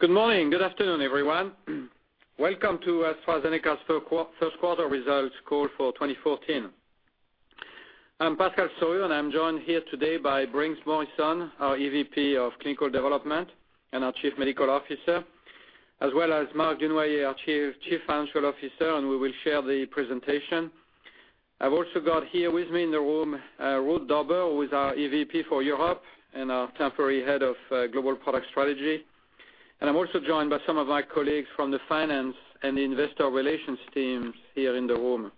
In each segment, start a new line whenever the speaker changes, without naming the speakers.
Good morning. Good afternoon, everyone. Welcome to AstraZeneca's first quarter results call for 2014. I'm Pascal Soriot. I'm joined here today by Briggs Morrison, our EVP of Clinical Development and Chief Medical Officer, as well as Marc Dunoyer, our Chief Financial Officer. We will share the presentation. I've also got here with me in the room, Ruud Dobber, who is our EVP for Europe and our temporary Head of Global Product Strategy. I'm also joined by some of my colleagues from the finance and investor relations teams here in the room.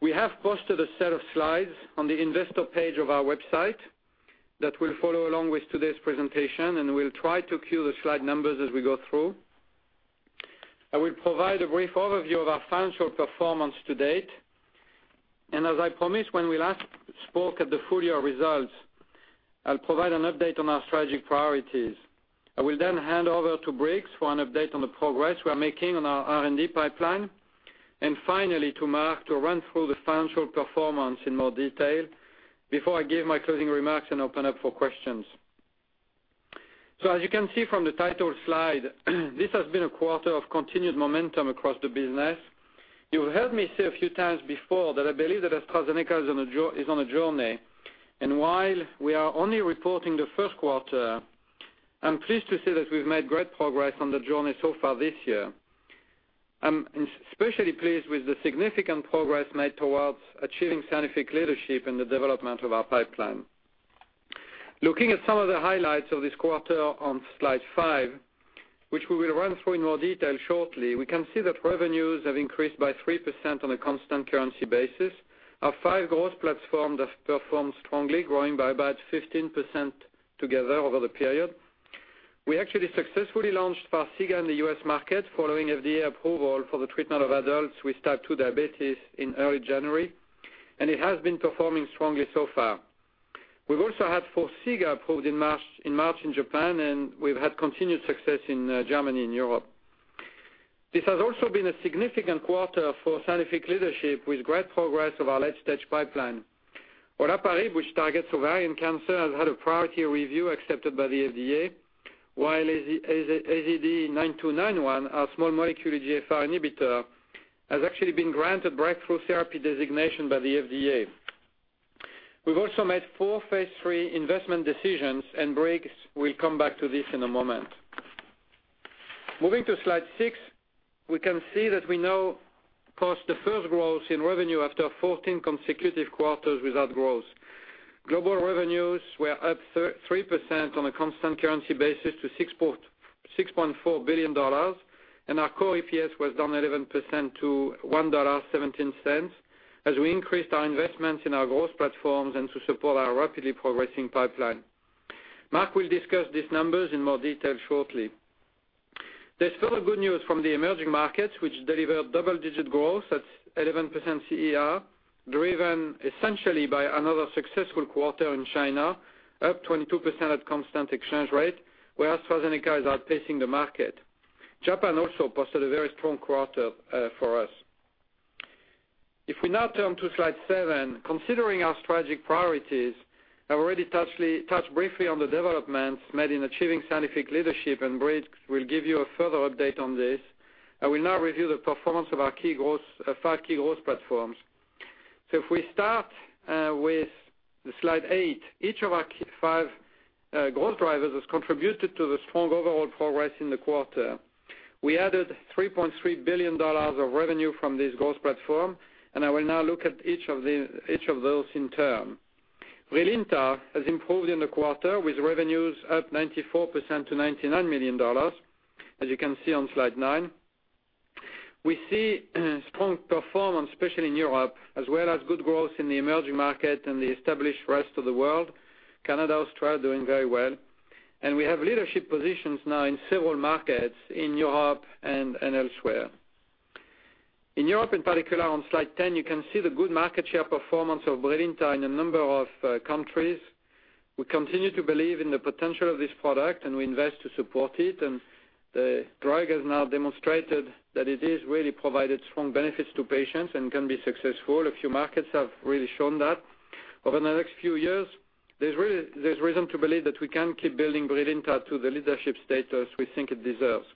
We have posted a set of slides on the investor page of our website that will follow along with today's presentation, and we'll try to cue the slide numbers as we go through. I will provide a brief overview of our financial performance to date. As I promised when we last spoke at the full-year results, I'll provide an update on our strategic priorities. I will then hand over to Briggs for an update on the progress we are making on our R&D pipeline. Finally to Marc to run through the financial performance in more detail before I give my closing remarks and open up for questions. As you can see from the title slide, this has been a quarter of continued momentum across the business. You heard me say a few times before that I believe that AstraZeneca is on a journey, and while we are only reporting the first quarter, I'm pleased to say that we've made great progress on the journey so far this year. I'm especially pleased with the significant progress made towards achieving scientific leadership in the development of our pipeline. Looking at some of the highlights of this quarter on slide five, which we will run through in more detail shortly, we can see that revenues have increased by 3% on a constant currency basis. Our five growth platforms have performed strongly, growing by about 15% together over the period. We actually successfully launched Farxiga in the U.S. market following FDA approval for the treatment of adults with type 2 diabetes in early January, and it has been performing strongly so far. We've also had Forxiga approved in March in Japan. We've had continued success in Germany and Europe. This has also been a significant quarter for scientific leadership with great progress of our late-stage pipeline. olaparib, which targets ovarian cancer, has had a priority review accepted by the FDA, while AZD9291, our small molecule EGFR inhibitor, has actually been granted breakthrough therapy designation by the FDA. We've also made four phase III investment decisions. Briggs will come back to this in a moment. Moving to slide six, we can see that we now post the first growth in revenue after 14 consecutive quarters without growth. Global revenues were up 3% on a constant currency basis to $6.4 billion. Our core EPS was down 11% to $1.17 as we increased our investments in our growth platforms and to support our rapidly progressing pipeline. Marc will discuss these numbers in more detail shortly. There's further good news from the emerging markets, which delivered double-digit growth at 11% CER, driven essentially by another successful quarter in China, up 22% at constant exchange rate, where AstraZeneca is outpacing the market. Japan also posted a very strong quarter for us. Turn to slide seven, considering our strategic priorities, I've already touched briefly on the developments made in achieving scientific leadership, and Briggs will give you a further update on this. I will now review the performance of our five key growth platforms. If we start with slide eight, each of our five growth drivers has contributed to the strong overall progress in the quarter. We added $3.3 billion of revenue from this growth platform, and I will now look at each of those in turn. BRILINTA has improved in the quarter, with revenues up 94% to $99 million, as you can see on slide nine. We see strong performance, especially in Europe, as well as good growth in the emerging market and the established rest of the world. Canada, Australia are doing very well. We have leadership positions now in several markets in Europe and elsewhere. In Europe in particular, on slide 10, you can see the good market share performance of BRILINTA in a number of countries. We continue to believe in the potential of this product, and we invest to support it, and the drug has now demonstrated that it is really provided strong benefits to patients and can be successful. A few markets have really shown that. Over the next few years, there's reason to believe that we can keep building BRILINTA to the leadership status we think it deserves.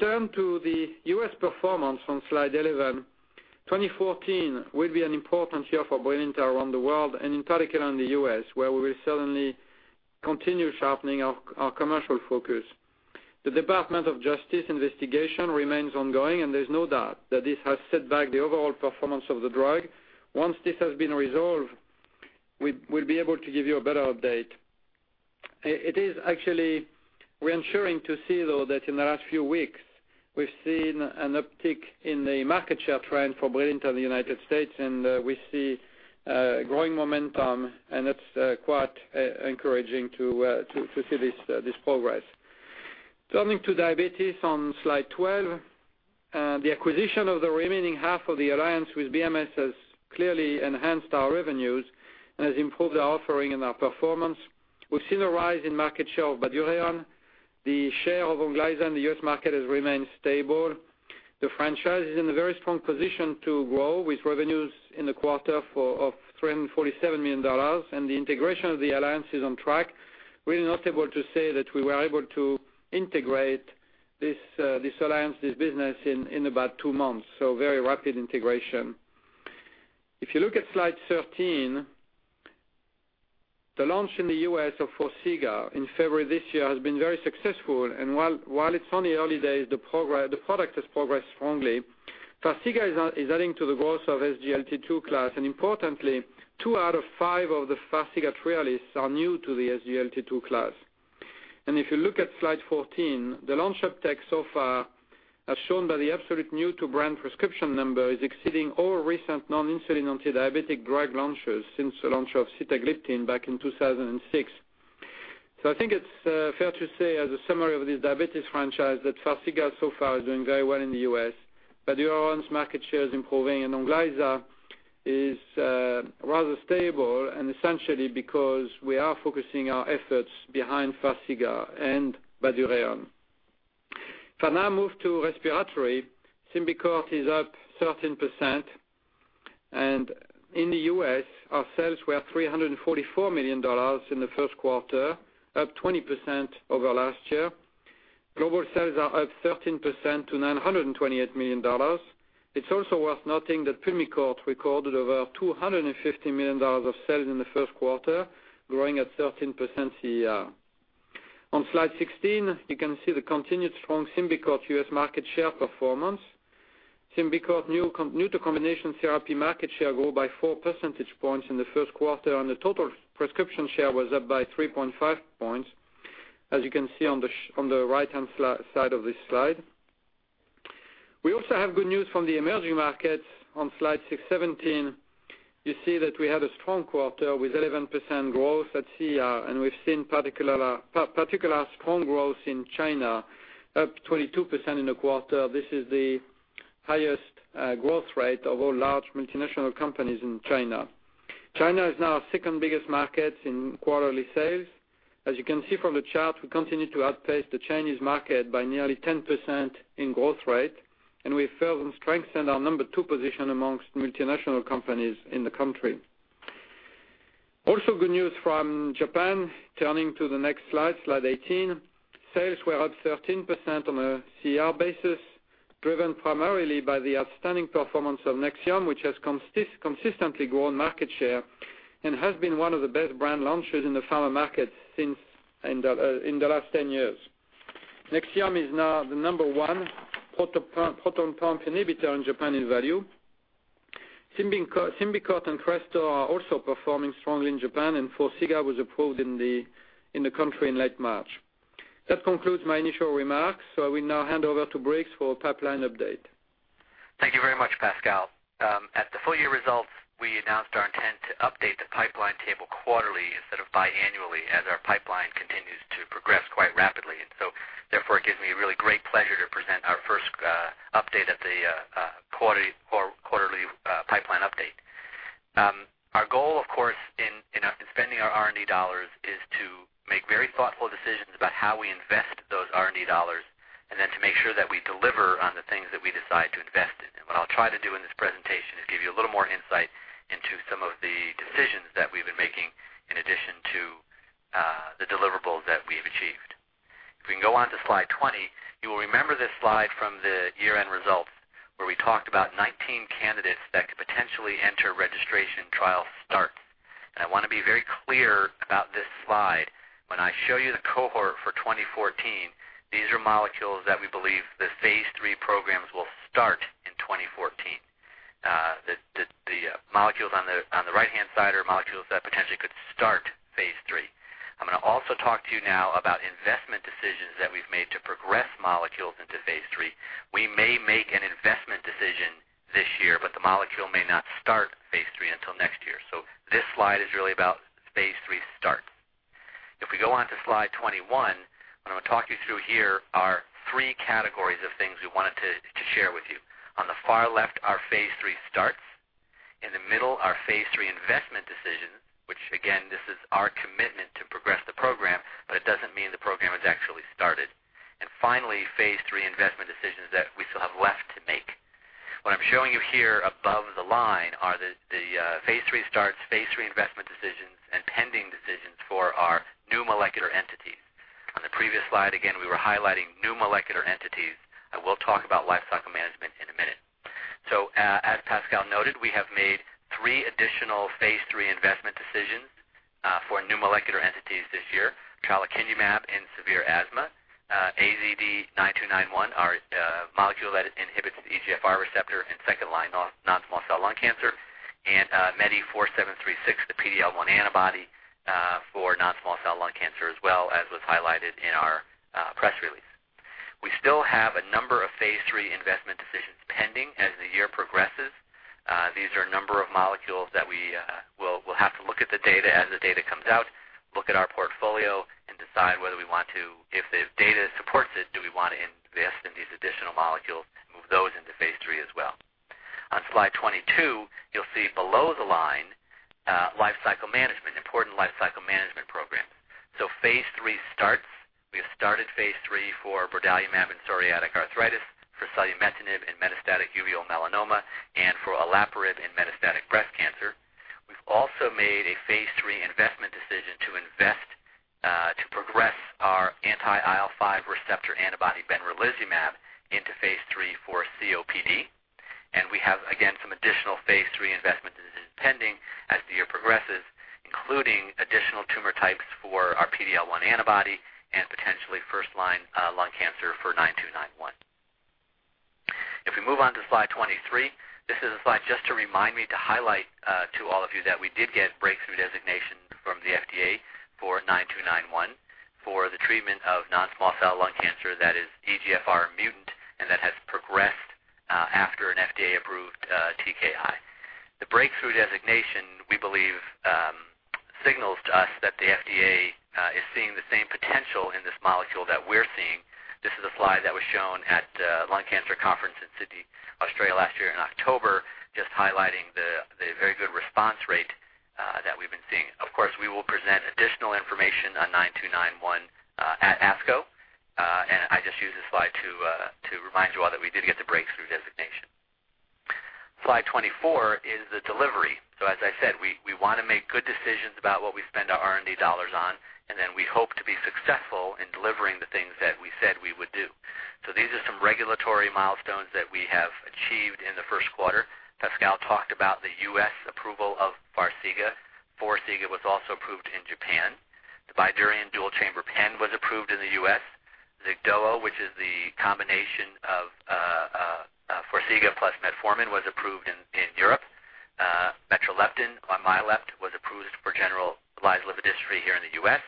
Turn to the U.S. performance on slide 11, 2014 will be an important year for BRILINTA around the world and in particular in the U.S., where we will certainly continue sharpening our commercial focus. The Department of Justice investigation remains ongoing, and there's no doubt that this has set back the overall performance of the drug. Once this has been resolved, we'll be able to give you a better update. It is actually reassuring to see, though, that in the last few weeks, we've seen an uptick in the market share trend for BRILINTA in the United States, and we see growing momentum, and that's quite encouraging to see this progress. Turning to diabetes on slide 12, the acquisition of the remaining half of the alliance with BMS has clearly enhanced our revenues and has improved our offering and our performance. We've seen a rise in market share of BYDUREON. The share of ONGLYZA in the U.S. market has remained stable. The franchise is in a very strong position to grow, with revenues in the quarter of $347 million. The integration of the alliance is on track. We are not able to say that we were able to integrate this alliance, this business, in about two months, so very rapid integration. You look at slide 13, the launch in the U.S. of Farxiga in February this year has been very successful, and while it's only the early days, the product has progressed strongly. Farxiga is adding to the growth of SGLT2 class, and importantly, two out of five of the Farxiga trialists are new to the SGLT2 class. If you look at slide 14, the launch uptake so far, as shown by the absolute new-to-brand prescription number, is exceeding all recent non-insulin antidiabetic drug launches since the launch of sitagliptin back in 2006. I think it's fair to say, as a summary of this diabetes franchise, that Farxiga so far is doing very well in the U.S. BYDUREON's market share is improving, and ONGLYZA is rather stable, essentially because we are focusing our efforts behind Farxiga and BYDUREON. If I now move to respiratory, SYMBICORT is up 13%, and in the U.S., our sales were $344 million in the first quarter, up 20% over last year. Global sales are up 13% to $928 million. It's also worth noting that PULMICORT recorded over $250 million of sales in the first quarter, growing at 13% CR. On slide 16, you can see the continued strong SYMBICORT U.S. market share performance. SYMBICORT new to combination therapy market share grew by four percentage points in the first quarter, and the total prescription share was up by 3.5 points, as you can see on the right-hand side of this slide. We also have good news from the emerging markets. On slide 17, you see that we had a strong quarter with 11% growth at CR, and we've seen particular strong growth in China, up 22% in the quarter. This is the highest growth rate of all large multinational companies in China. China is now our second-biggest market in quarterly sales. As you can see from the chart, we continue to outpace the Chinese market by nearly 10% in growth rate, and we further strengthen our number two position amongst multinational companies in the country. Also good news from Japan. Turning to the next slide 18. Sales were up 13% on a CR basis, driven primarily by the outstanding performance of NEXIUM, which has consistently grown market share and has been one of the best brand launches in the pharma market in the last 10 years. NEXIUM is now the number one proton pump inhibitor in Japan in value. SYMBICORT and CRESTOR are also performing strongly in Japan, and Farxiga was approved in the country in late March. That concludes my initial remarks. I will now hand over to Briggs for a pipeline update.
Thank you very much, Pascal. At the full year results, we announced our intent to update the pipeline table quarterly instead of biannually as our pipeline continues to progress quite rapidly. Therefore, it gives me really great pleasure to present our first update at the quarterly pipeline update. Our goal, of course, in spending our R&D dollars is to make very thoughtful decisions about how we invest those R&D dollars, and then to make sure that we deliver on the things that we decide to invest in. What I'll try to do in this presentation is give you a little more insight into some of the decisions that we've been making in addition to the deliverables that we've achieved. If we can go on to slide 20. You will remember this slide from the year-end results, where we talked about 19 candidates that could potentially enter registration trial start. I want to be very clear about this slide. When I show you the cohort for 2014, these are molecules that we believe the phase III programs will start in 2014. The molecules on the right-hand side are molecules that potentially could start phase III. I'm going to also talk to you now about investment decisions that we've made to progress molecules into phase III. We may make an investment decision this year, but the molecule may not start phase III until next year. This slide is really about phase III starts. If we go on to slide 21, what I'm going to talk you through here are three categories of things we wanted to share with you. On the far left are phase III starts. In the middle are phase III investment decisions, which again, this is our commitment to progress the program, but it doesn't mean the program has actually started. Finally, phase III investment decisions that we still have left to make. What I'm showing you here above the line are the phase III starts, phase III investment decisions, and pending decisions for our new molecular entities. On the previous slide, again, we were highlighting new molecular entities, and we'll talk about lifecycle management in a minute. As Pascal noted, we have made three additional phase III investment decisions for new molecular entities this year. tralokinumab in severe asthma, AZD9291, our molecule that inhibits the EGFR receptor in second-line non-small cell lung cancer, and MEDI4736, the PD-L1 antibody for non-small cell lung cancer as well, as was highlighted in our press release. We still have a number of phase III investment decisions pending as the year progresses. These are a number of molecules that we'll have to look at the data as the data comes out, look at our portfolio, and decide whether we want to, if the data supports it, do we want to invest in these additional molecules and move those into phase III as well? On slide 22, you'll see below the line, lifecycle management, important lifecycle management program. Phase III starts. We have started phase III for brodalumab in psoriatic arthritis, for selumetinib in metastatic uveal melanoma, and for olaparib in metastatic breast cancer. We've also made a phase III investment decision to invest to progress our anti-IL-5 receptor antibody benralizumab into phase III for COPD. We have, again, some additional phase III investment decisions pending as the year progresses, including additional tumor types for our PD-L1 antibody and potentially first-line lung cancer for 9291. If we move on to slide 23, this is a slide just to remind me to highlight to all of you that we did get breakthrough designation from the FDA for 9291 for the treatment of non-small cell lung cancer that is EGFR mutant and that has progressed after an FDA-approved TKI. The breakthrough designation, we believe, signals to us that the FDA is seeing the same potential in this molecule that we're seeing. This is a slide that was shown at Lung Cancer Conference in Sydney, Australia last year in October, just highlighting the very good response rate that we've been seeing. Of course, we will present additional information on AZD9291 at ASCO. I just use this slide to remind you all that we did get the breakthrough designation. Slide 24 is the delivery. As I said, we want to make good decisions about what we spend our R&D dollars on. We hope to be successful in delivering the things that we said we would do. These are some regulatory milestones that we have achieved in the first quarter. Pascal Soriot talked about the U.S. approval of Farxiga. Forxiga was also approved in Japan. The BYDUREON dual-chamber pen was approved in the U.S. Xigduo, which is the combination of Forxiga plus metformin, was approved in Europe. metreleptin, or MYALEPT, was approved for generalized lipodystrophy here in the U.S.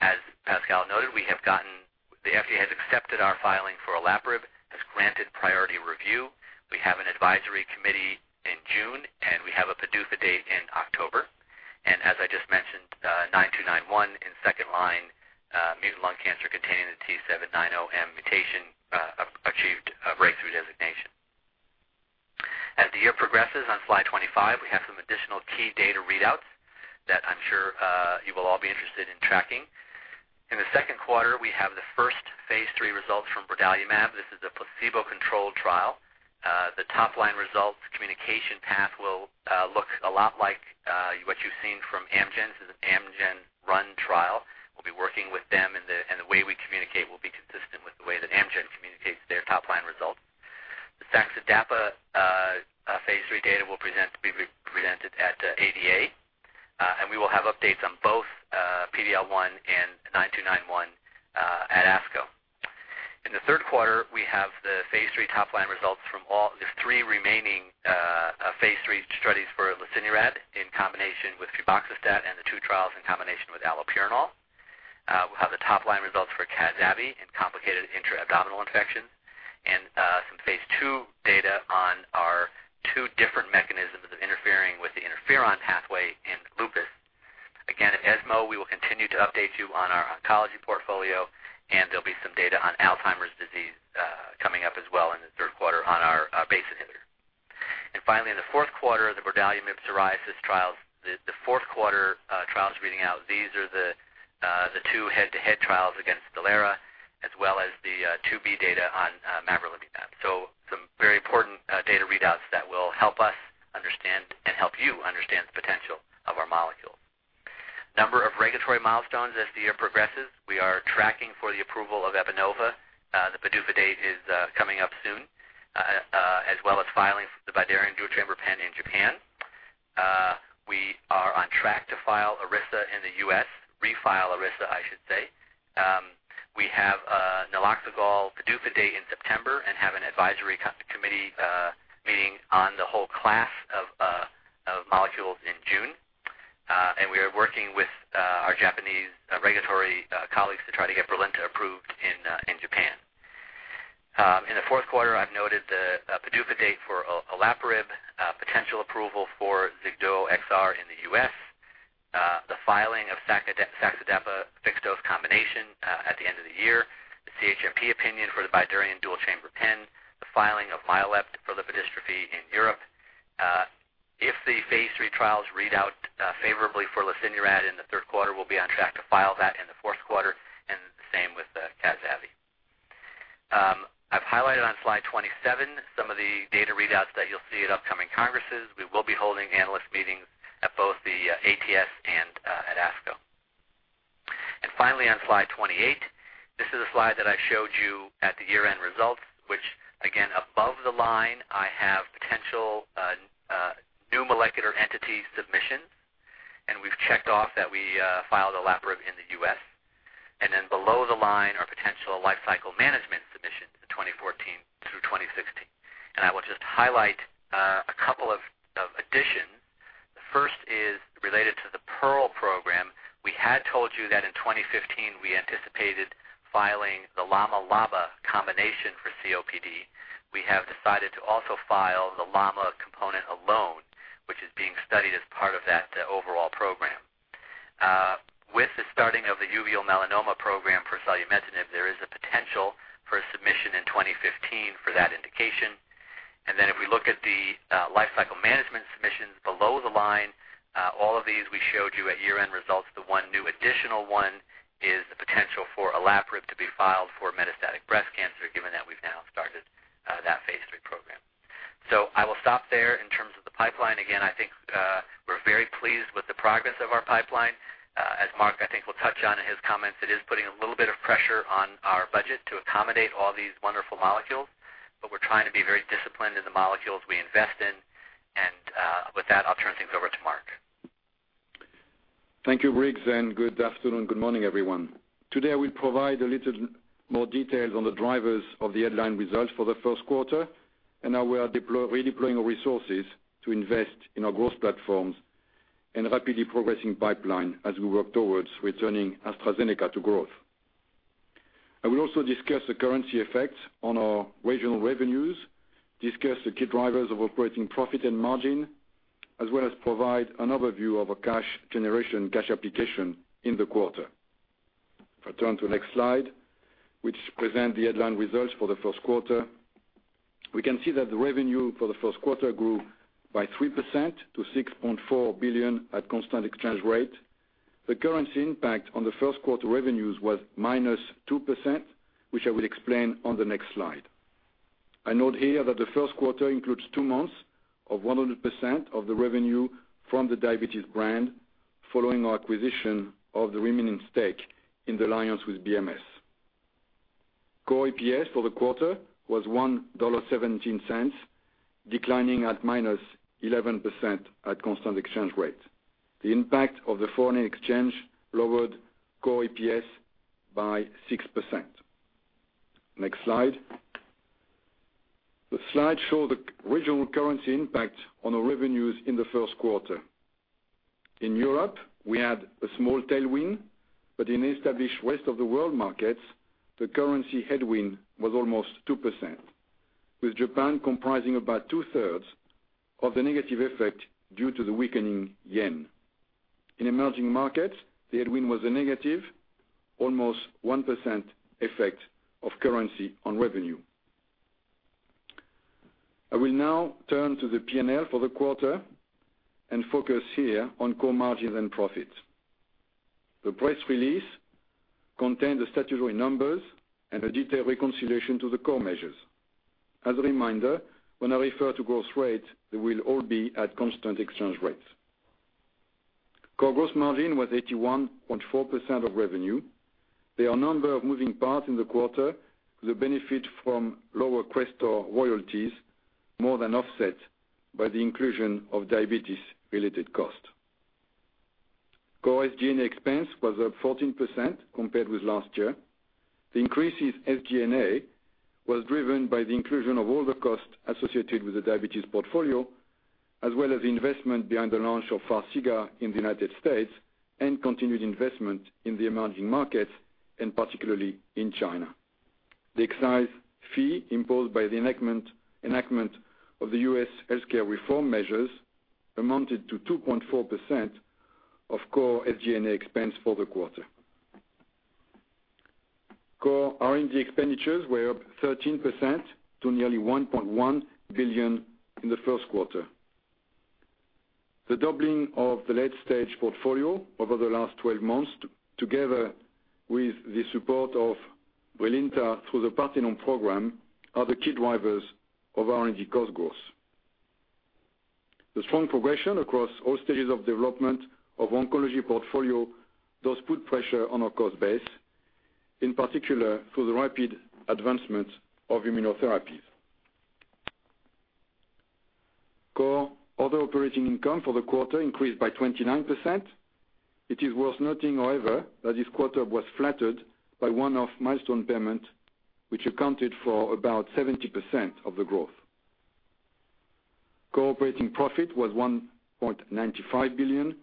As Pascal Soriot noted, the FDA has accepted our filing for olaparib, has granted priority review. We have an advisory committee in June. We have a PDUFA date in October. As I just mentioned, AZD9291 in second-line mutant lung cancer containing the T790M mutation achieved a breakthrough designation. As the year progresses on slide 25, we have some additional key data readouts that I am sure you will all be interested in tracking. In the second quarter, we have the first phase III results from brodalumab. This is a placebo-controlled trial. The top-line results communication path will look a lot like what you have seen from Amgen. This is an Amgen-run trial. We will be working with them. The way we communicate will be consistent with the way that Amgen communicates their top-line results. The saxa-dapa phase III data will be presented at ADA. We will have updates on both PD-L1 and AZD9291 at ASCO. In the third quarter, we have the phase III top-line results from the three remaining phase III studies for lesinurad in combination with febuxostat and the two trials in combination with allopurinol. We will have the top-line results for ceftazidime/avibactam in complicated intra-abdominal infections and some phase II data on our two different mechanisms of interfering with the interferon pathway in lupus. Again, at ESMO, we will continue to update you on our oncology portfolio. There will be some data on Alzheimer's disease coming up as well in the third quarter on our BACE inhibitor. Finally, in the fourth quarter, the brodalumab psoriasis trials, the fourth-quarter trial is reading out. These are the two head-to-head trials against STELARA, as well as the phase II-B data on mavrilimumab. Some very important data readouts that will help us understand and help you understand the potential of our molecule. Number of regulatory milestones as the year progresses. We are tracking for the approval of Epanova. The PDUFA date is coming up soon, as well as filings for the BYDUREON dual-chamber pen in Japan. We are on track to file Iressa in the U.S., refile Iressa, I should say. We have naloxegol PDUFA date in September. We have an advisory committee meeting on the whole class of molecules in June. We are working with our Japanese regulatory colleagues to try to get BRILINTA approved in Japan. In the fourth quarter, I have noted the PDUFA date for olaparib, potential approval for XIGDUO XR in the U.S., the filing of saxagliptin/dapagliflozin fixed-dose combination at the end of the year, the CHMP opinion for the BYDUREON dual-chamber pen, the filing of MYALEPT for lipodystrophy in Europe. If the phase III trials read out favorably for lesinurad in the third quarter, we'll be on track to file that in the fourth quarter, and the same with Zavicefta. I've highlighted on slide 27 some of the data readouts that you'll see at upcoming congresses. We will be holding analyst meetings at both the ATS and at ASCO. Finally, on slide 28, this is a slide that I showed you at the year-end results, which again, above the line, I have potential new molecular entity submissions, and we've checked off that we filed olaparib in the U.S. Then below the line, our potential lifecycle management submissions, 2014 through 2016. I will just highlight a couple of additions. The first is related to the PEARL program. We had told you that in 2015, we anticipated filing the LAMA/LABA combination for COPD. We have decided to also file the LAMA component alone, which is being studied as part of that overall program. Uveal melanoma program for selumetinib. There is a potential for a submission in 2015 for that indication. Then if we look at the lifecycle management submissions below the line, all of these we showed you at year-end results. The one new additional one is the potential for olaparib to be filed for metastatic breast cancer, given that we've now started that phase III program. I will stop there in terms of the pipeline. Again, I think we're very pleased with the progress of our pipeline. As Marc, I think will touch on in his comments, it is putting a little bit of pressure on our budget to accommodate all these wonderful molecules, but we're trying to be very disciplined in the molecules we invest in. With that, I'll turn things over to Marc.
Thank you, Briggs, and good afternoon. Good morning, everyone. Today, I will provide a little more details on the drivers of the headline results for the first quarter and how we are redeploying our resources to invest in our growth platforms and rapidly progressing pipeline as we work towards returning AstraZeneca to growth. I will also discuss the currency effect on our regional revenues, discuss the key drivers of operating profit and margin, as well as provide an overview of our cash generation, cash application in the quarter. If I turn to the next slide, which present the headline results for the first quarter, we can see that the revenue for the first quarter grew by 3% to $6.4 billion at constant exchange rate. The currency impact on the first quarter revenues was -2%, which I will explain on the next slide. I note here that the first quarter includes two months of 100% of the revenue from the diabetes brand following our acquisition of the remaining stake in the alliance with BMS. Core EPS for the quarter was $1.17, declining at -11% at constant exchange rate. The impact of the foreign exchange lowered core EPS by 6%. Next slide. The slide show the regional currency impact on our revenues in the first quarter. In Europe, we had a small tailwind, but in established rest of the world markets, the currency headwind was almost 2%, with Japan comprising about two-thirds of the negative effect due to the weakening yen. In emerging markets, the headwind was a negative, almost 1% effect of currency on revenue. I will now turn to the P&L for the quarter and focus here on core margins and profits. The press release contained the statutory numbers and a detailed reconciliation to the core measures. As a reminder, when I refer to growth rate, they will all be at constant exchange rates. Core gross margin was 81.4% of revenue. There are number of moving parts in the quarter, the benefit from lower CRESTOR royalties more than offset by the inclusion of diabetes-related cost. Core SG&A expense was up 14% compared with last year. The increase in SG&A was driven by the inclusion of all the costs associated with the diabetes portfolio, as well as the investment behind the launch of Farxiga in the U.S. and continued investment in the emerging markets, and particularly in China. The excise fee imposed by the enactment of the US healthcare reform measures amounted to 2.4% of core SG&A expense for the quarter. Core R&D expenditures were up 13% to nearly $1.1 billion in the first quarter. The doubling of the late-stage portfolio over the last 12 months, together with the support of BRILINTA through the PLATO program, are the key drivers of R&D cost growth. The strong progression across all stages of development of oncology portfolio does put pressure on our cost base, in particular through the rapid advancement of immunotherapies. Core other operating income for the quarter increased by 29%. It is worth noting, however, that this quarter was flattered by one-off milestone payment, which accounted for about 70% of the growth. Core operating profit was $1.95 billion,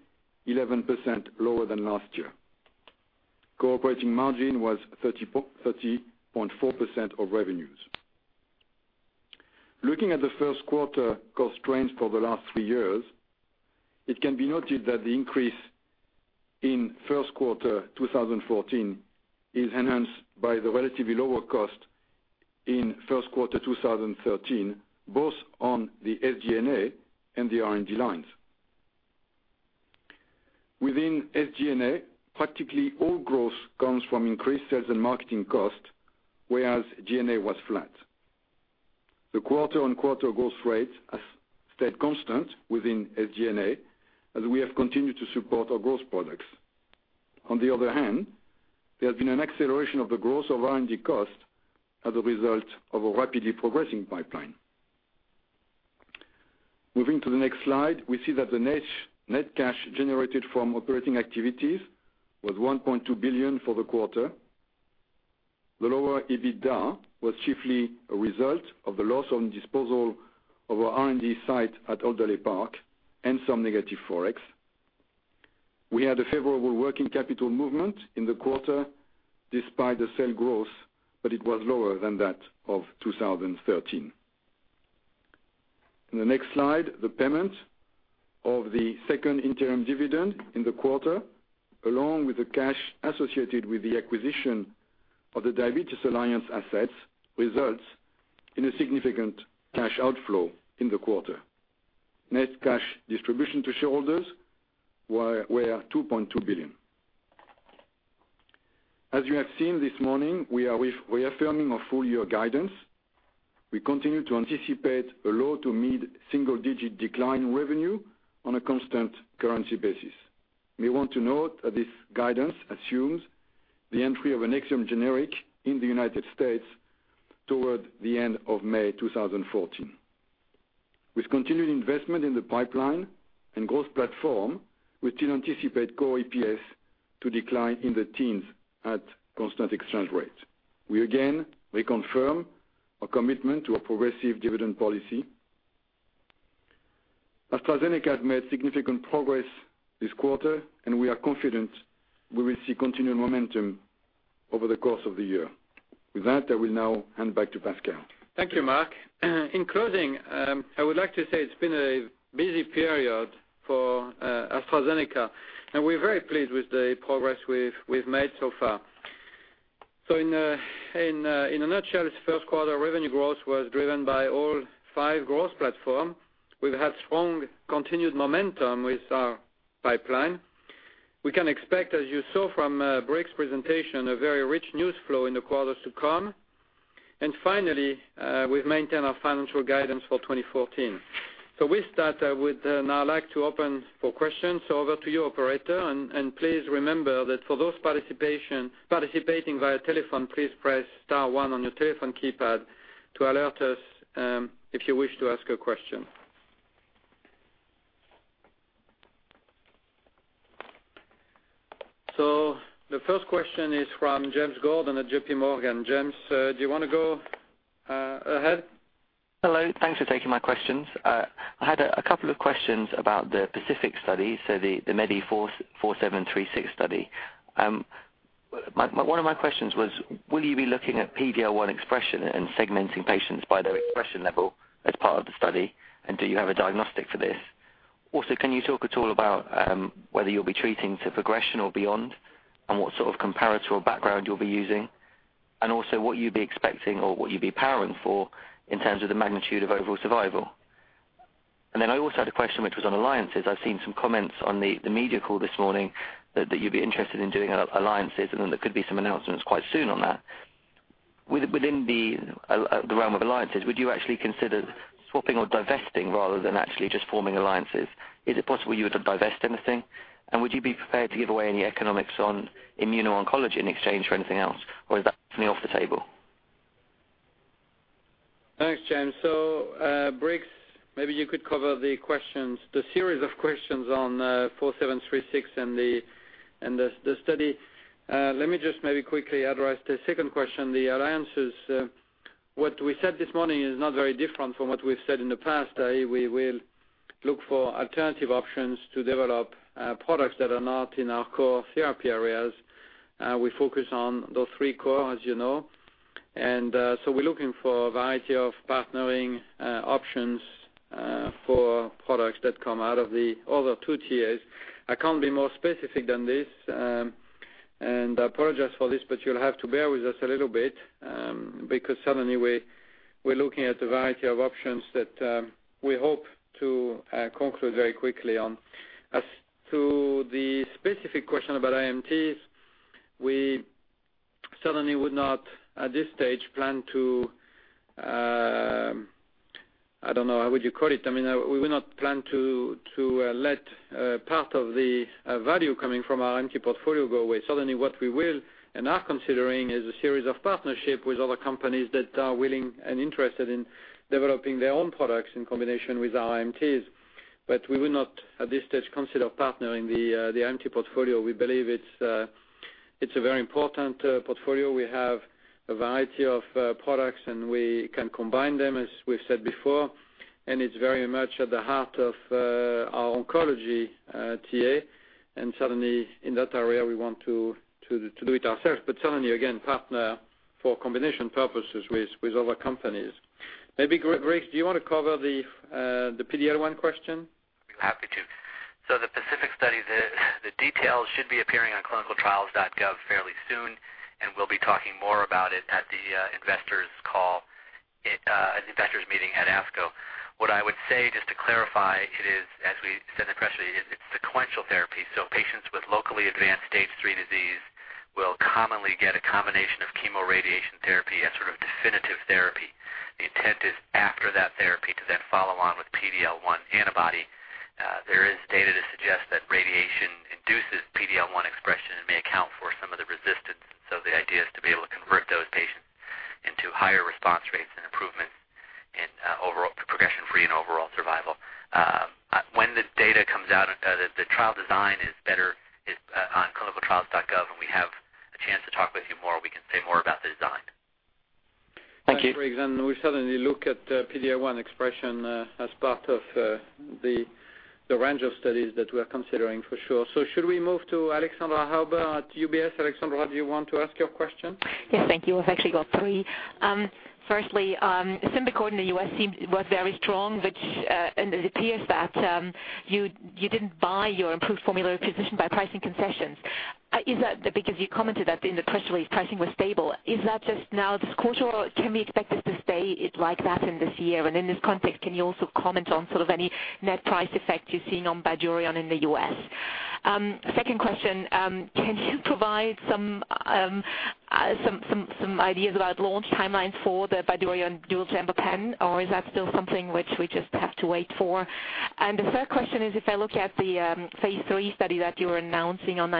11% lower than last year. Core operating margin was 30.4% of revenues. Looking at the first quarter cost trends for the last three years, it can be noted that the increase in first quarter 2014 is enhanced by the relatively lower cost in first quarter 2013, both on the SG&A and the R&D lines. Within SG&A, practically all growth comes from increased sales and marketing cost, whereas G&A was flat. The quarter-on-quarter growth rates have stayed constant within SG&A, as we have continued to support our growth products. On the other hand, there has been an acceleration of the growth of R&D cost as a result of a rapidly progressing pipeline. Moving to the next slide, we see that the net cash generated from operating activities was $1.2 billion for the quarter. The lower EBITDA was chiefly a result of the loss on disposal of our R&D site at Alderley Park and some negative Forex. We had a favorable working capital movement in the quarter despite the sales growth, but it was lower than that of 2013. In the next slide, the payment of the second interim dividend in the quarter, along with the cash associated with the acquisition of the Diabetes Alliance assets, results in a significant cash outflow in the quarter. Net cash distribution to shareholders were $2.2 billion. As you have seen this morning, we are reaffirming our full-year guidance. We continue to anticipate a low-to-mid single-digit decline in revenue on a constant currency basis. We want to note that this guidance assumes the entry of a NEXIUM generic in the U.S. toward the end of May 2014. With continued investment in the pipeline and growth platform, we still anticipate core EPS to decline in the teens at constant exchange rates. We again reconfirm our commitment to a progressive dividend policy. AstraZeneca has made significant progress this quarter. We are confident we will see continued momentum over the course of the year. With that, I will now hand back to Pascal.
Thank you, Marc. In closing, I would like to say it's been a busy period for AstraZeneca. We're very pleased with the progress we've made so far. In a nutshell, this first quarter revenue growth was driven by all five growth platforms. We've had strong continued momentum with our pipeline. We can expect, as you saw from Briggs' presentation, a very rich news flow in the quarters to come. Finally, we've maintained our financial guidance for 2014. With that, I would now like to open for questions. Over to you, operator. Please remember that for those participating via telephone, please press star one on your telephone keypad to alert us if you wish to ask a question. The first question is from James at JPMorgan. James, do you want to go ahead?
Hello, thanks for taking my questions. I had a couple of questions about the PACIFIC study, so the MEDI4736 study. One of my questions was, will you be looking at PD-L1 expression and segmenting patients by their expression level as part of the study? Do you have a diagnostic for this? Also, can you talk at all about whether you'll be treating to progression or beyond, and what sort of comparator background you'll be using? Also what you'd be expecting or what you'd be powering for in terms of the magnitude of overall survival. Then I also had a question which was on alliances. I've seen some comments on the media call this morning that you'd be interested in doing alliances. There could be some announcements quite soon on that. Within the realm of alliances, would you actually consider swapping or divesting rather than actually just forming alliances? Is it possible you were to divest anything? Would you be prepared to give away any economics on Immuno-Oncology in exchange for anything else, or is that completely off the table?
Thanks, James. Briggs, maybe you could cover the series of questions on 4736 and the study. Let me just maybe quickly address the second question, the alliances. What we said this morning is not very different from what we've said in the past. We will look for alternative options to develop products that are not in our core therapy areas. We focus on those 3 cores, as you know. We're looking for a variety of partnering options for products that come out of the other 2 tiers. I can't be more specific than this, and I apologize for this, but you'll have to bear with us a little bit, because certainly we're looking at a variety of options that we hope to conclude very quickly on. As to the specific question about IMTs, we certainly would not, at this stage, plan to I don't know, how would you call it? We would not plan to let part of the value coming from our IO portfolio go away. Certainly what we will and are considering is a series of partnerships with other companies that are willing and interested in developing their own products in combination with our IMTs. We would not, at this stage, consider partnering the IO portfolio. We believe it's a very important portfolio. We have a variety of products, and we can combine them as we've said before, and it's very much at the heart of our oncology TA. Certainly in that area, we want to do it ourselves. Certainly, again, partner for combination purposes with other companies. Maybe Briggs, do you want to cover the PD-L1 question?
I'd be happy to. The PACIFIC study, the details should be appearing on clinicaltrials.gov fairly soon, and we'll be talking more about it at the investors meeting at ASCO. What I would say, just to clarify, it is, as we said in the press release, it's sequential therapy. Patients with locally advanced stage 3 disease will commonly get a combination of chemoradiation therapy as sort of definitive therapy. The intent is after that therapy to then follow on with PD-L1 antibody. There is data to suggest that radiation induces PD-L1 expression and may account for some of the resistance. The idea is to be able to convert those patients into higher response rates and improvements in progression free and overall survival.
When the data comes out, the trial design is better on clinicaltrials.gov, and we have a chance to talk with you more, we can say more about the design.
Thank you. For example, we certainly look at PD-L1 expression as part of the range of studies that we are considering for sure. Should we move to Alexandra Hauber at UBS? Alexandra, do you want to ask your question?
Yes. Thank you. I've actually got three. Firstly, SYMBICORT in the U.S. was very strong, and it appears that you didn't buy your improved formulary position by pricing concessions. You commented that in the press release pricing was stable. Is that just now this quarter or can we expect this to stay like that in this year? In this context, can you also comment on sort of any net price effect you're seeing on BYDUREON in the U.S.? Second question, can you provide some ideas about launch timelines for the BYDUREON dual chamber pen, or is that still something which we just have to wait for? The third question is, if I look at the phase III study that you were announcing on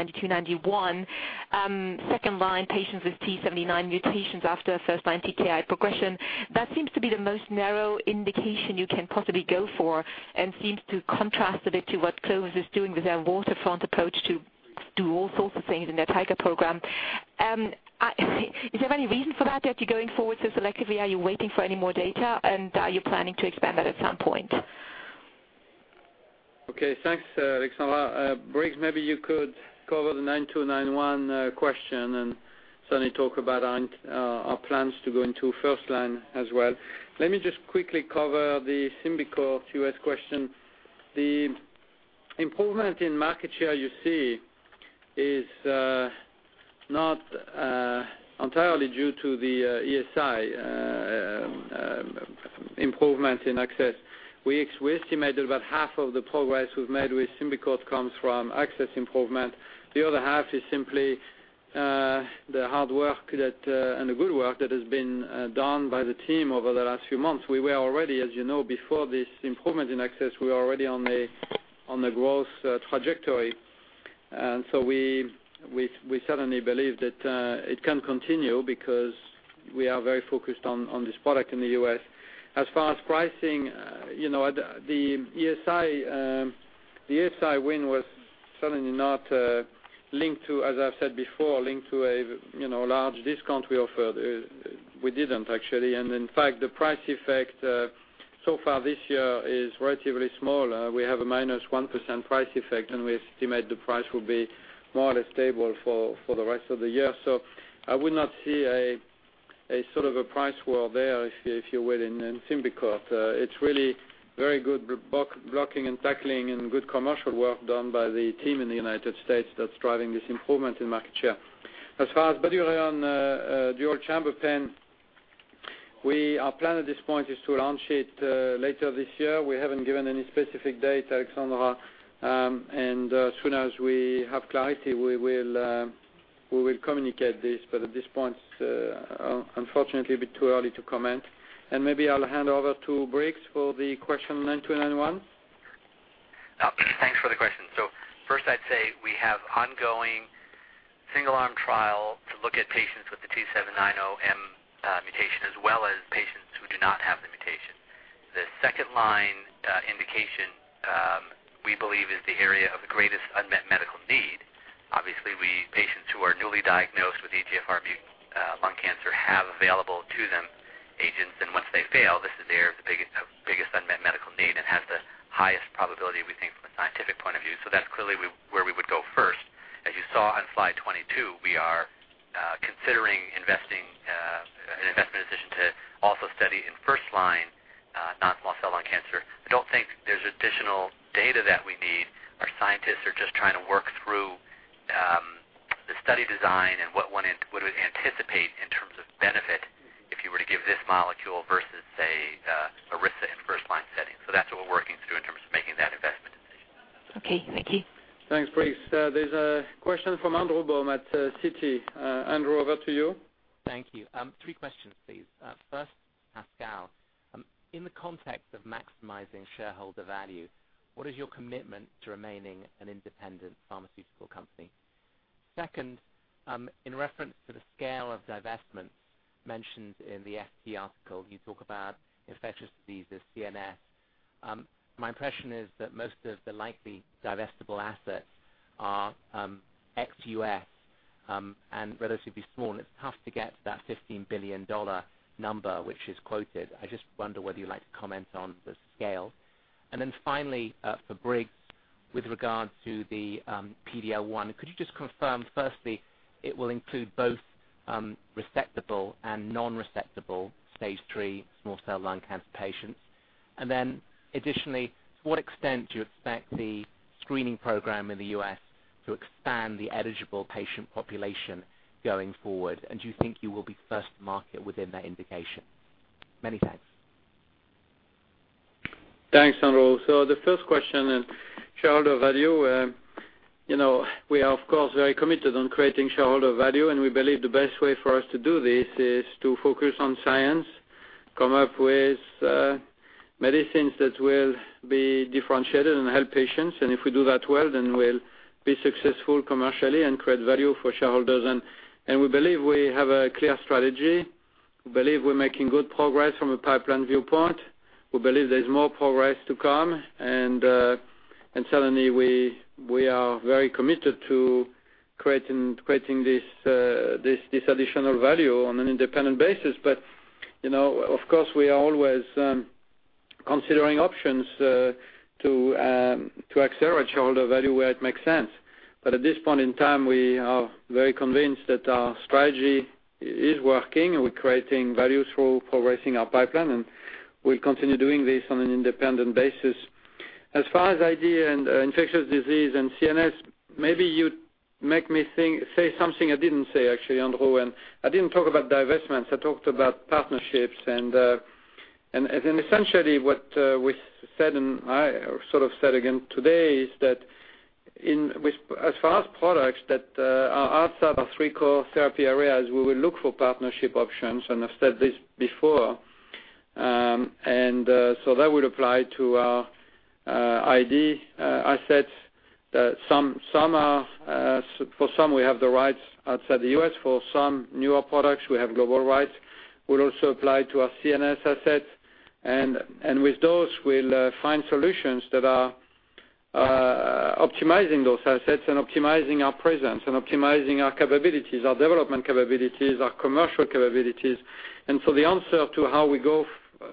AZD9291, second-line patients with T790M mutations after first-line TKI progression, that seems to be the most narrow indication you can possibly go for and seems to contrast a bit to what Clovis is doing with their waterfront approach to do all sorts of things in their TIGER program. Is there any reason for that you're going forward so selectively? Are you waiting for any more data, and are you planning to expand that at some point?
Okay. Thanks, Alexandra. Briggs, maybe you could cover the AZD9291 question and certainly talk about our plans to go into first-line as well. Let me just quickly cover the SYMBICORT U.S. question. The improvement in market share you see is not entirely due to the ESI improvement in access. We estimated about half of the progress we've made with SYMBICORT comes from access improvement. The other half is simply the hard work and the good work that has been done by the team over the last few months. We were already, as you know, before this improvement in access, we were already on a growth trajectory. We certainly believe that it can continue because we are very focused on this product in the U.S. As far as pricing, the ESI win was certainly not linked to, as I've said before, linked to a large discount we offered. We didn't actually, and in fact, the price effect so far this year is relatively small. We have a -1% price effect, and we estimate the price will be more or less stable for the rest of the year. I would not see a sort of a price war there, if you will, in SYMBICORT. It's really very good blocking and tackling and good commercial work done by the team in the United States that's driving this improvement in market share. As far as BYDUREON dual chamber pen, our plan at this point is to launch it later this year. We haven't given any specific date, Alexandra, and as soon as we have clarity, we will communicate this, but at this point, unfortunately, a bit too early to comment. Maybe I'll hand over to Briggs for the question AZD9291.
Thanks for the question. First I'd say we have ongoing single-arm trial to look at patients with the T790M mutation as well as patients who do not have the mutation. The second-line indication, we believe is the area of the greatest unmet medical need. Obviously, patients who are newly diagnosed with EGFR lung cancer have available to them agents, and once they fail, this is their biggest unmet medical need and has the highest probability, we think, from a scientific point of view. That's clearly where we would go first. As you saw on slide 22, we are considering an investment decision to also study in first-line, non-small cell lung cancer. I don't think there's additional data that we need. Our scientists are just trying to work through the study design and what it would anticipate in terms of benefit if you were to give this molecule versus, say, Iressa in first line setting. That's what we're working through in terms of making that investment decision.
Okay. Thank you.
Thanks, Briggs. There's a question from Andrew Baum at Citi. Andrew, over to you.
Thank you. Three questions, please. First, Pascal, in the context of maximizing shareholder value, what is your commitment to remaining an independent pharmaceutical company? Second, in reference to the scale of divestments mentioned in the FT article, you talk about infectious diseases, CNS. My impression is that most of the likely divestable assets are ex-U.S., and relatively small, and it's tough to get to that $15 billion number, which is quoted. I just wonder whether you'd like to comment on the scale. Finally, for Briggs, with regards to the PD-L1, could you just confirm, firstly, it will include both resectable and non-resectable stage 3 non-small cell lung cancer patients? Additionally, to what extent do you expect the screening program in the U.S. to expand the eligible patient population going forward? Do you think you will be first to market within that indication? Many thanks.
Thanks, Andrew. The first question on shareholder value, we are of course, very committed on creating shareholder value, and we believe the best way for us to do this is to focus on science, come up with medicines that will be differentiated and help patients, and if we do that well, then we'll be successful commercially and create value for shareholders. We believe we have a clear strategy. We believe we're making good progress from a pipeline viewpoint. We believe there's more progress to come, and certainly, we are very committed to creating this additional value on an independent basis. Of course, we are always considering options to accelerate shareholder value where it makes sense. At this point in time, we are very convinced that our strategy is working, and we're creating value through progressing our pipeline, and we'll continue doing this on an independent basis. As far as ID and infectious disease and CNS, maybe you make me say something I didn't say, actually, Andrew, I didn't talk about divestments. I talked about partnerships. Essentially what we said, and I sort of said again today, is that as far as products that are outside our three core therapy areas, we will look for partnership options, and I've said this before. That would apply to our ID assets. For some, we have the rights outside the U.S. For some newer products, we have global rights. It will also apply to our CNS assets. With those, we'll find solutions that are optimizing those assets and optimizing our presence and optimizing our capabilities, our development capabilities, our commercial capabilities. The answer to how we go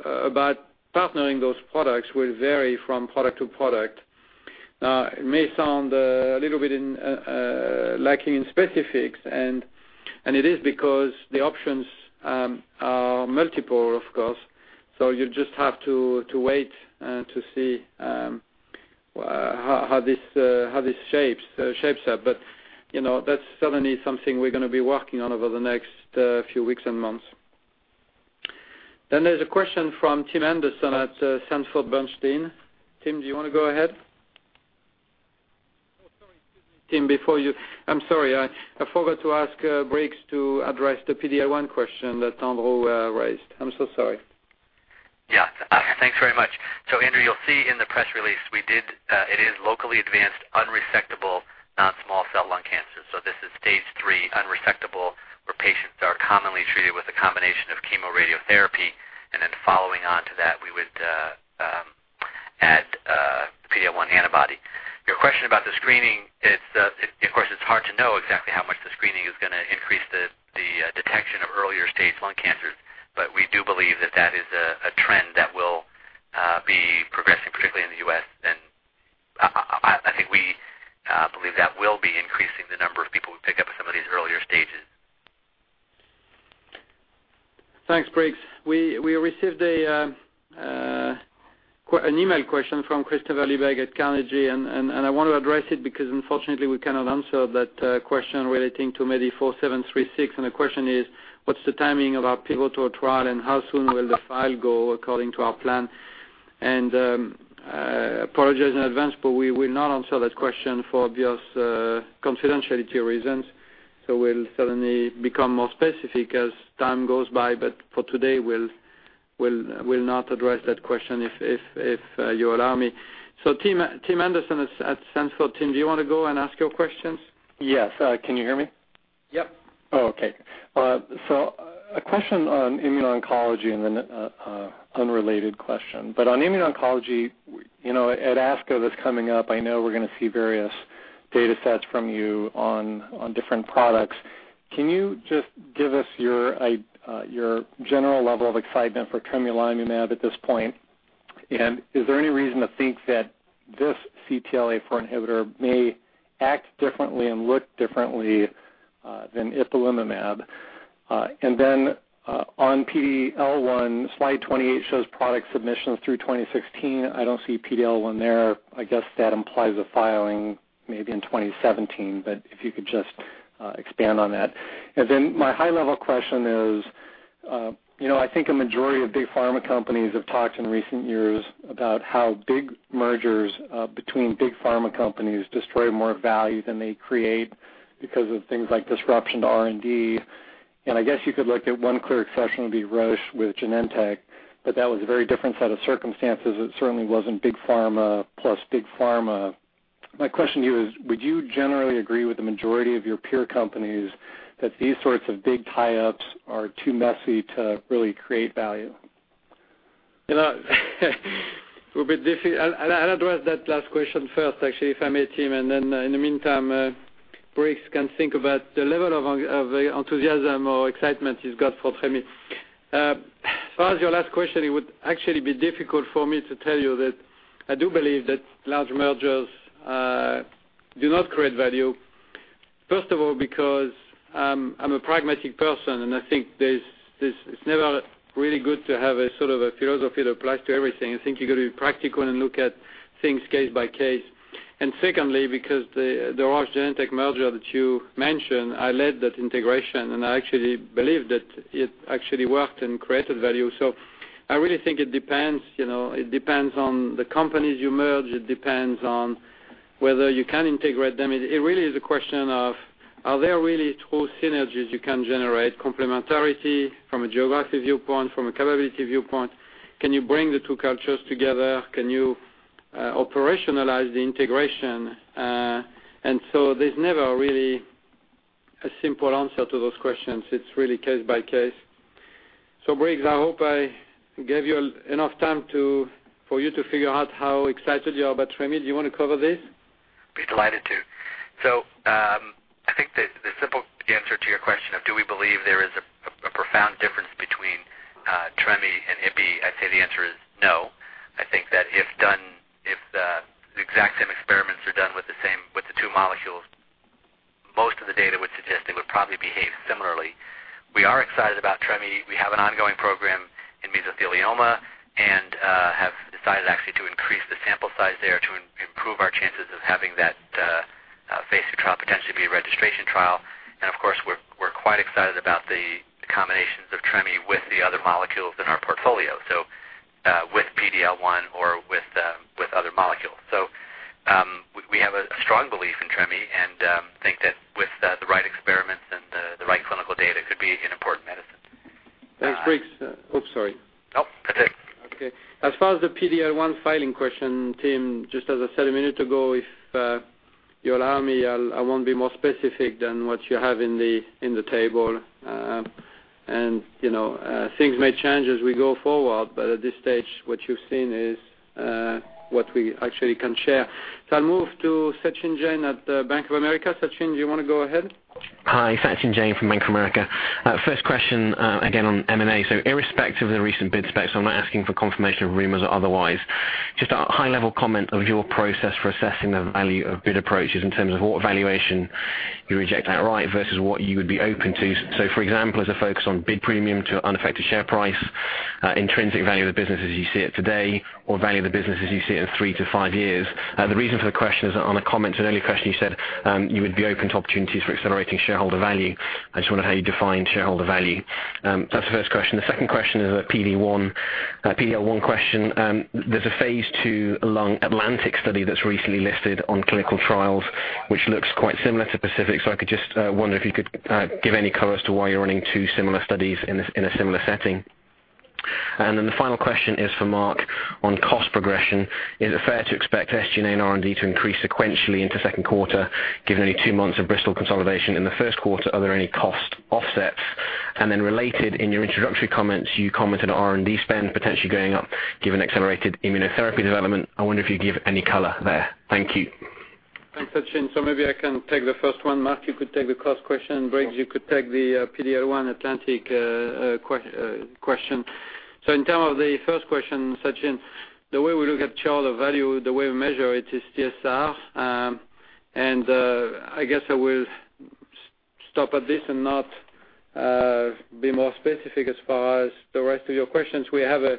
about partnering those products will vary from product to product. It may sound a little bit lacking in specifics, and it is because the options are multiple, of course. You just have to wait to see how this shapes up. That's certainly something we're going to be working on over the next few weeks and months. There's a question from Tim Anderson at Sanford Bernstein. Tim, do you want to go ahead? Oh, sorry. Excuse me, Tim, before you I'm sorry. I forgot to ask Briggs to address the PD-1 question that Andrew raised. I'm so sorry.
Yeah. Thanks very much. Andrew, you'll see in the press release, it is locally advanced unresectable non-small cell lung cancer. This is stage 3 unresectable, where patients are commonly treated with a combination of chemoradiotherapy. Following on to that, we would add a PD-L1 antibody. Your question about the screening, of course, it's hard to know exactly how much the screening is going to increase the detection of earlier stage lung cancers. We do believe that that is a trend that will be progressing, particularly in the U.S. I think we believe that will be increasing the number of people who pick up at some of these earlier stages.
Thanks, Briggs. I want to address it because unfortunately we cannot answer that question relating to MEDI4736, and the question is, what's the timing of our pivotal trial, and how soon will the file go according to our plan? Apologies in advance, but we will not answer that question for obvious confidentiality reasons. We'll certainly become more specific as time goes by, but for today, we'll not address that question, if you allow me. Tim Anderson at Sanford. Tim, do you want to go and ask your questions?
Yes. Can you hear me?
Yep.
A question on immuno-oncology and then an unrelated question. But on immuno-oncology, at ASCO that's coming up, I know we're going to see various data sets from you on different products. Can you just give us your general level of excitement for tremelimumab at this point? Is there any reason to think that this CTLA-4 inhibitor may act differently and look differently than ipilimumab? Then on PD-L1, slide 28 shows product submissions through 2016. I don't see PD-L1 there. I guess that implies a filing maybe in 2017, but if you could just expand on that. My high-level question is, I think a majority of big pharma companies have talked in recent years about how big mergers between big pharma companies destroy more value than they create because of things like disruption to R&D. I guess you could look at one clear exception would be Roche with Genentech, but that was a very different set of circumstances. It certainly wasn't big pharma plus big pharma. My question to you is, would you generally agree with the majority of your peer companies that these sorts of big tie-ups are too messy to really create value?
I'll address that last question first, actually, if I may, Tim, then in the meantime, Briggs can think about the level of enthusiasm or excitement he's got for tremi. As far as your last question, it would actually be difficult for me to tell you that I do believe that large mergers do not create value. First of all, because I'm a pragmatic person, I think it's never really good to have a sort of a philosophy that applies to everything. I think you got to be practical and look at things case by case. Secondly, because the Roche-Genentech merger that you mentioned, I led that integration, I actually believe that it actually worked and created value. I really think it depends. It depends on the companies you merge. It depends on whether you can integrate them. It really is a question of, are there really true synergies you can generate, complementarity from a geographic viewpoint, from a capability viewpoint? Can you bring the two cultures together? Can you operationalize the integration? So there's never really a simple answer to those questions. It's really case by case. Briggs, I hope I gave you enough time for you to figure out how excited you are about TREME. Do you want to cover this?
Be delighted to. I think the simple answer to your question of do we believe there is a profound difference between TREME and ipi, I'd say the answer is no. I think that if the exact same experiments are done with the two molecules, most of the data would suggest it would probably behave similarly. We are excited about TREME. We have an ongoing program in mesothelioma and have decided actually to increase the sample size there to improve our chances of having that phase III trial potentially be a registration trial. Of course, we're quite excited about the combinations of TREME with the other molecules in our portfolio, with PD-L1 or with other molecules. We have a strong belief in TREME and think that with the right experiments and the right clinical data, it could be an important medicine.
Thanks, Briggs. Oh, sorry.
No, that's it.
Okay. As far as the PD-L1 filing question, Tim, just as I said a minute ago, if you allow me, I won't be more specific than what you have in the table. Things may change as we go forward, but at this stage, what you've seen is what we actually can share. I'll move to Sachin Jain at Bank of America. Sachin, do you want to go ahead?
Hi. Sachin Jain from Bank of America. First question again on M&A. Irrespective of the recent bid specs, I'm not asking for confirmation of rumors or otherwise, just a high-level comment of your process for assessing the value of bid approaches in terms of what valuation you reject outright versus what you would be open to. For example, is the focus on bid premium to unaffected share price, intrinsic value of the business as you see it today, or value of the business as you see it in three to five years? The reason for the question is on a comment to an earlier question, you said you would be open to opportunities for accelerating shareholder value. I just wonder how you define shareholder value. That's the first question. The second question is a PD-L1 question. There's a phase II lung ATLANTIC study that's recently listed on clinical trials, which looks quite similar to PACIFIC. I could just wonder if you could give any color as to why you're running two similar studies in a similar setting. The final question is for Marc on cost progression. Is it fair to expect SG&A and R&D to increase sequentially into second quarter given only two months of Bristol consolidation in the first quarter? Are there any cost offsets? Related, in your introductory comments, you commented on R&D spend potentially going up given accelerated immunotherapy development. I wonder if you give any color there. Thank you.
Thanks, Sachin. Maybe I can take the first one. Marc, you could take the cost question. Briggs, you could take the PD-L1 ATLANTIC question. In terms of the first question, Sachin, the way we look at shareholder value, the way we measure it is TSR. I guess I will stop at this and not be more specific as far as the rest of your questions. We have a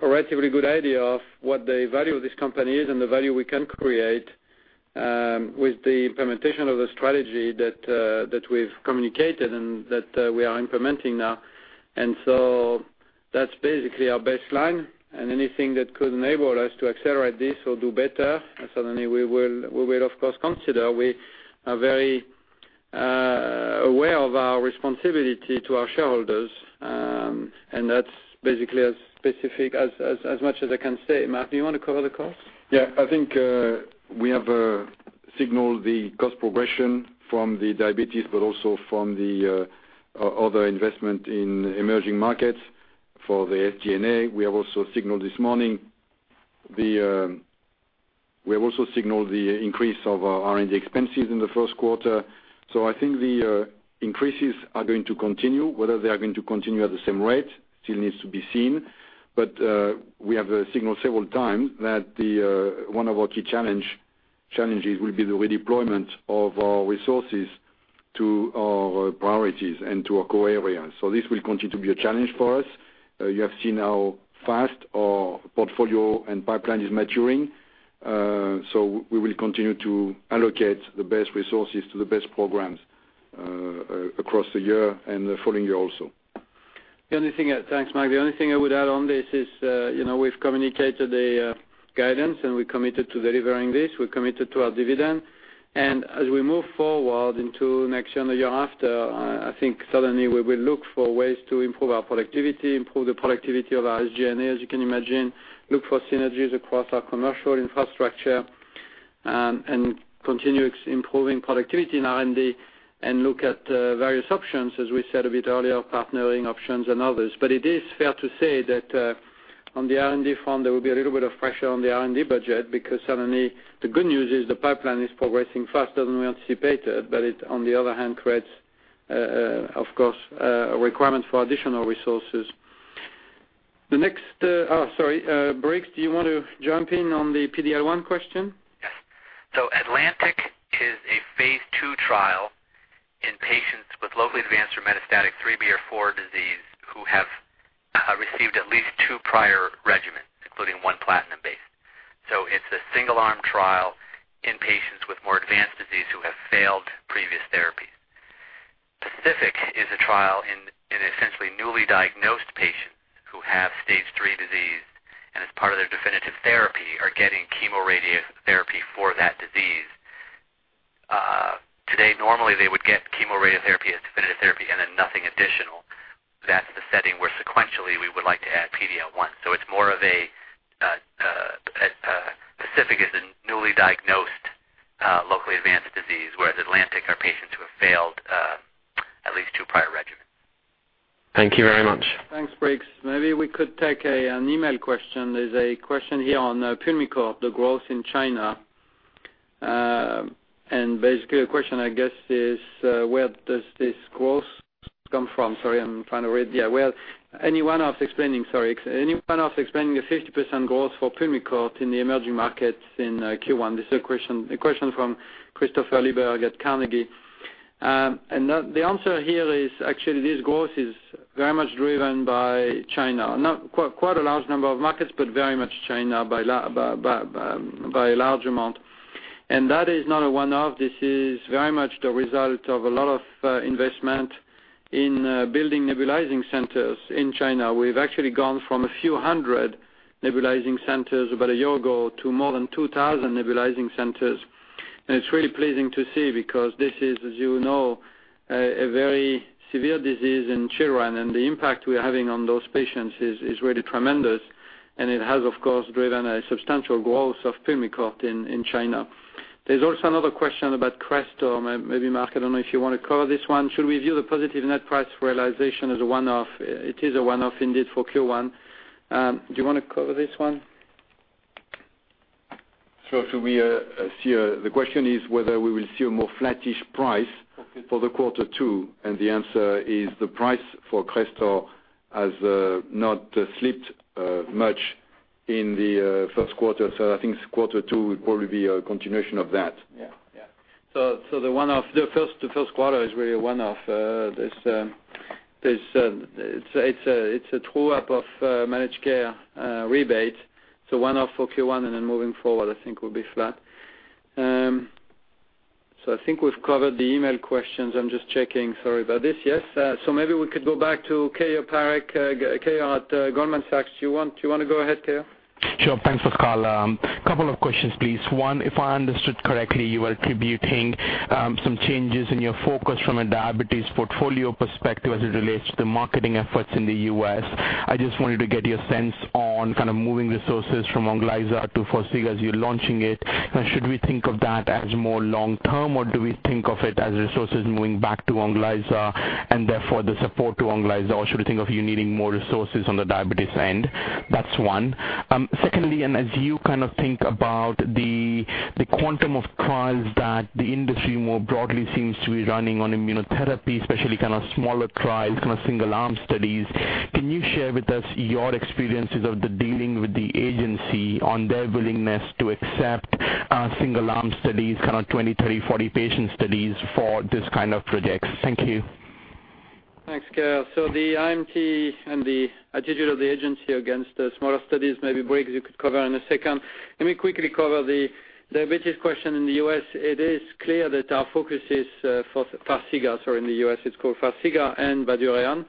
relatively good idea of what the value of this company is and the value we can create with the implementation of the strategy that we've communicated and that we are implementing now. That's basically our baseline. Anything that could enable us to accelerate this or do better, certainly we will of course consider. We are very aware of our responsibility to our shareholders, and that's basically as specific as much as I can say. Marc, do you want to cover the cost?
Yeah, I think we have signaled the cost progression from the diabetes, but also from the other investment in emerging markets for the SG&A. We have also signaled this morning the increase of our R&D expenses in the first quarter. I think the increases are going to continue. Whether they are going to continue at the same rate still needs to be seen. We have signaled several times that one of our key challenges will be the redeployment of our resources to our priorities and to our core areas. This will continue to be a challenge for us. You have seen how fast our portfolio and pipeline is maturing. We will continue to allocate the best resources to the best programs across the year and the following year also.
Thanks, Marc. The only thing I would add on this is we've communicated a guidance, and we're committed to delivering this. We're committed to our dividend. As we move forward into next year and the year after, I think certainly we will look for ways to improve our productivity, improve the productivity of our SG&A, as you can imagine, look for synergies across our commercial infrastructure, and continue improving productivity in R&D and look at various options, as we said a bit earlier, partnering options and others. It is fair to say that on the R&D front, there will be a little bit of pressure on the R&D budget because certainly the good news is the pipeline is progressing faster than we anticipated, but it on the other hand creates, of course, a requirement for additional resources. Briggs, do you want to jump in on the PD-L1 question?
Yes. ATLANTIC is a phase II trial in patients with locally advanced or metastatic IIIB or IV disease who have received at least two prior regimens, including one platinum-based. It's a single-arm trial in patients with more advanced disease who have failed previous therapies. PACIFIC is a trial in essentially newly diagnosed patients who have Stage 3 disease and as part of their definitive therapy are getting chemoradiotherapy for that disease. Today, normally they would get chemoradiotherapy as definitive therapy and then nothing additional. That's the setting where sequentially we would like to add PD-L1. It's more of a PACIFIC is a newly diagnosed, locally advanced disease, whereas ATLANTIC are patients who have failed at least two prior regimens.
Thank you very much.
Thanks, Briggs. Maybe we could take an email question. There's a question here on PULMICORT, the growth in China. Basically, the question, I guess, is where does this growth come from? Sorry, I'm trying to read. Yeah. Any one-offs explaining the 50% growth for PULMICORT in the emerging markets in Q1? This is a question from Christopher Lyrhem at Carnegie. The answer here is actually this growth is very much driven by China. Quite a large number of markets, but very much China by a large amount. That is not a one-off. This is very much the result of a lot of investment in building nebulizing centers in China. We've actually gone from a few hundred nebulizing centers about a year ago to more than 2,000 nebulizing centers. It's really pleasing to see because this is, as you know, a very severe disease in children, and the impact we're having on those patients is really tremendous. It has, of course, driven a substantial growth of PULMICORT in China. There's also another question about CRESTOR. Maybe, Marc, I don't know if you want to cover this one. Should we view the positive net price realization as a one-off? It is a one-off indeed for Q1. Do you want to cover this one?
Sure. The question is whether we will see a more flattish price for the quarter two, and the answer is the price for CRESTOR has not slipped much in the first quarter. I think quarter two will probably be a continuation of that.
Yeah. The first quarter is really a one-off. It's a true-up of managed care rebate. One-off for Q1, and then moving forward, I think we'll be flat. I think we've covered the email questions. I'm just checking. Sorry about this. Yes. Maybe we could go back to Keyur Parikh, Keyur at Goldman Sachs. Do you want to go ahead, Keyur?
Sure. Thanks for the call. Couple of questions, please. One, if I understood correctly, you are attributing some changes in your focus from a diabetes portfolio perspective as it relates to the marketing efforts in the U.S. I just wanted to get your sense on kind of moving resources from ONGLYZA to Farxiga as you're launching it. Should we think of that as more long-term, or do we think of it as resources moving back to ONGLYZA and therefore the support to ONGLYZA, or should we think of you needing more resources on the diabetes end? That's one. Secondly, as you kind of think about the quantum of trials that the industry more broadly seems to be running on immunotherapy, especially kind of smaller trials, kind of single arm studies, can you share with us your experiences of dealing with the agency on their willingness to accept single arm studies, kind of 20, 30, 40 patient studies for this kind of projects? Thank you.
Thanks, Keyur. The IO and the attitude of the agency against the smaller studies, maybe Briggs you could cover in a second. Let me quickly cover the diabetes question in the U.S. It is clear that our focus is for Farxiga. Sorry, in the U.S. it's called Farxiga and BYDUREON,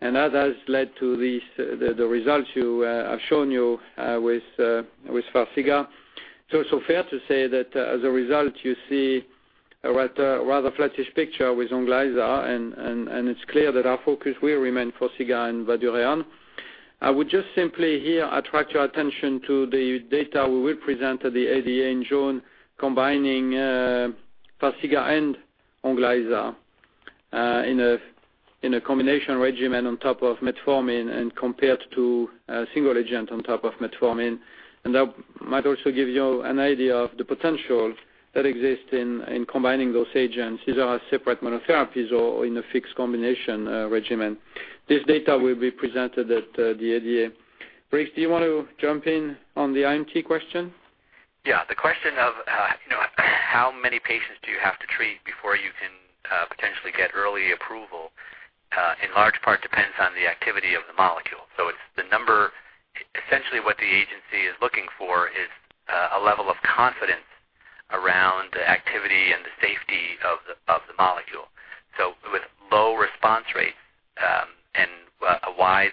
that has led to the results I've shown you with Farxiga. It's fair to say that as a result, you see a rather flattish picture with ONGLYZA, it's clear that our focus will remain Farxiga and BYDUREON. I would just simply here attract your attention to the data we will present at the ADA in June, combining Farxiga and ONGLYZA in a combination regimen on top of metformin and compared to a single agent on top of metformin. That might also give you an idea of the potential that exists in combining those agents, either as separate monotherapies or in a fixed combination regimen. This data will be presented at the ADA. Briggs, do you want to jump in on the IO question?
Yeah. The question of how many patients do you have to treat before you can potentially get early approval in large part depends on the activity of the molecule. Essentially what the agency is looking for is a level of confidence around the activity and the safety of the molecule. With low response rates and a wide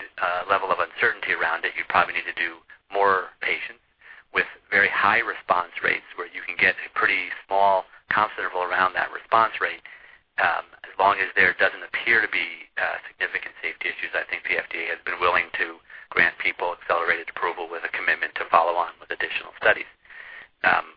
level of uncertainty around it, you'd probably need to do more patients. With very high response rates where you can get a pretty small confidence interval around that response rate, as long as there doesn't appear to be significant safety issues, I think the FDA has been willing to grant people accelerated approval with a commitment to follow on with additional studies.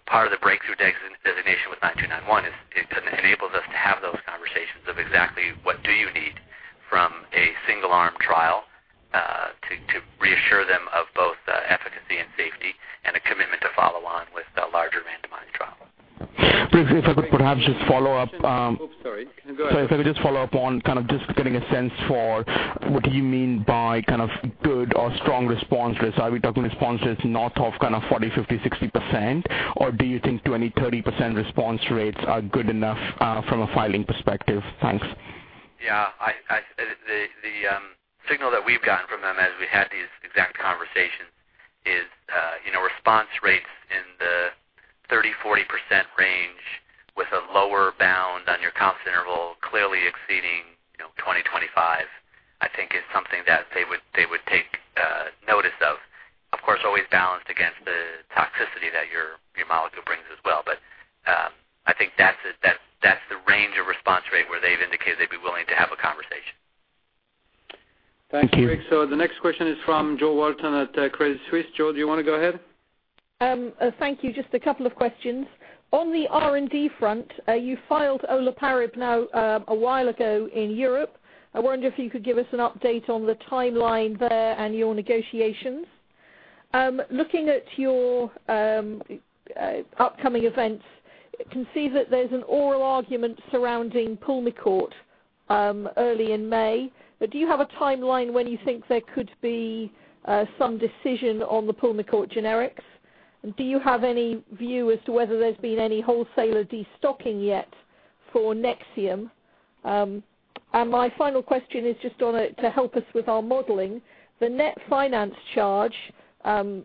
Part of the breakthrough designation with AZD9291 is it enables us to have those conversations of exactly what do you need from a single-arm trial to reassure them of both efficacy and safety and a commitment to follow on with a larger randomized trial.
Briggs, if I could perhaps just follow up.
Oh, sorry. Go ahead.
Sorry. If I could just follow up on kind of just getting a sense for what do you mean by kind of good or strong response rates? Are we talking responses north of kind of 40%, 50%, 60%? Do you think 20%, 30% response rates are good enough from a filing perspective? Thanks.
Yeah. The signal that we've gotten from them as we had these exact conversations is response rates in the 30%-40% range with a lower bound on your confidence interval clearly exceeding 20, 25, I think is something that they would take notice of. Of course, always balanced against the toxicity that your molecule brings as well. I think that's the range of response rate where they've indicated they'd be willing to have a conversation.
Thank you. The next question is from Jo Walton at Credit Suisse. Jo, do you want to go ahead?
Thank you. Just a couple of questions. On the R&D front, you filed olaparib now a while ago in Europe. I wonder if you could give us an update on the timeline there and your negotiations. Looking at your upcoming events, can see that there's an oral argument surrounding PULMICORT early in May. Do you have a timeline when you think there could be some decision on the PULMICORT generics? Do you have any view as to whether there's been any wholesaler destocking yet for NEXIUM? My final question is just to help us with our modeling. The net finance charge,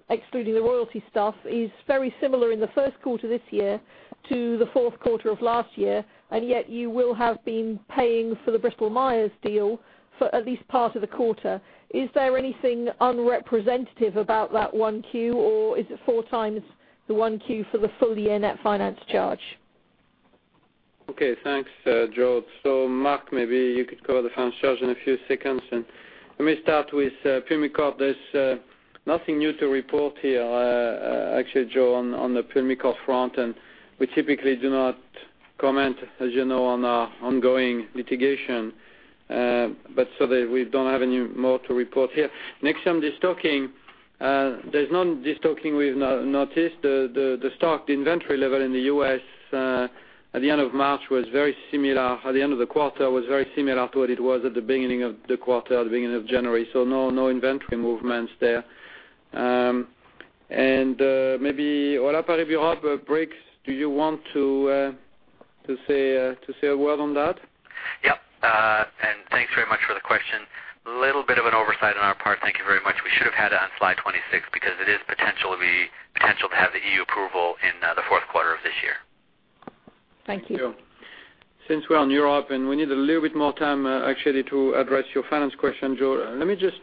excluding the royalty stuff, is very similar in the first quarter this year to the fourth quarter of last year, yet you will have been paying for the Bristol-Myers deal for at least part of the quarter. Is there anything unrepresentative about that 1Q, or is it four times the 1Q for the full year net finance charge?
Okay. Thanks, Jo. Marc, maybe you could cover the finance charge in a few seconds. Let me start with PULMICORT. There's nothing new to report here, actually, Jo, on the PULMICORT front, and we typically do not comment, as you know, on our ongoing litigation. So that we don't have any more to report here. NEXIUM destocking, there's no destocking we've noticed. The stock inventory level in the U.S. at the end of March was very similar at the end of the quarter, was very similar to what it was at the beginning of the quarter, at the beginning of January. So no inventory movements there. And maybe olaparib, Briggs, do you want to say a word on that?
Yep. Thanks very much for the question. Little bit of an oversight on our part. Thank you very much. We should have had it on slide 26 because it is potential to have the EU approval in the fourth quarter of this year.
Thank you.
Thank you. Since we're on Europe and we need a little bit more time, actually, to address your finance question, Jo, let me just